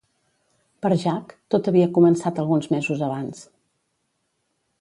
Per Jack, tot havia començat alguns mesos abans.